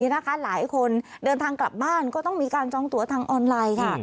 อย่างนี้นะคะหลายคนเดินทางกลับบ้านก็ต้องมีการจองตั๋วทางออนไลน์ค่ะ